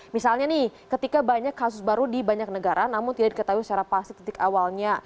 misalnya nih ketika banyak kasus baru di banyak negara namun tidak diketahui secara pasti titik awalnya